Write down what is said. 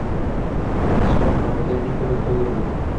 Kichikroq paqirga men ko‘mir to‘ldirdim.